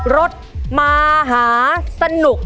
รถมาหาสนุก